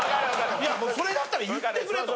いやそれだったら言ってくれと。